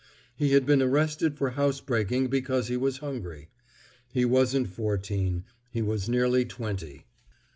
He had been arrested for housebreaking because he was hungry. He wasn't fourteen; he was nearly twenty.